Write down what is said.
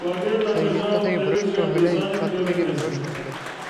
সেই মিথ্যা থেকে ভ্রষ্ট হলেই সত্য থেকে সে ভ্রষ্ট হবে।